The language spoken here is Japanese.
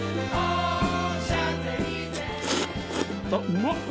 うまっ。